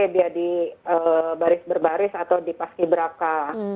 dia di baris baris atau di paski beraka